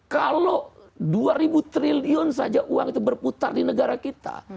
kalau dua ribu triliun saja uang itu berputar di negara kita